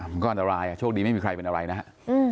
มันก็อันตรายโชคดีไม่มีใครเป็นอะไรนะฮะ